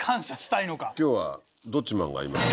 今日はどっちマンがいます。